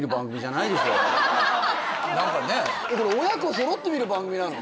これ親子揃って見る番組なの？